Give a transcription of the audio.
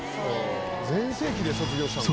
全盛期で卒業したの？